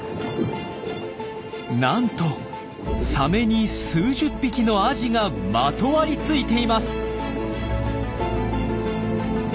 なんとサメに数十匹のアジがまとわりついています。